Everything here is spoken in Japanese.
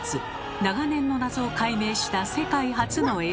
長年の謎を解明した世界初の映像。